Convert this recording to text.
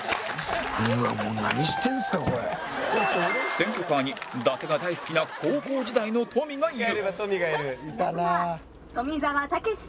選挙カーに伊達が大好きな高校時代のトミがいる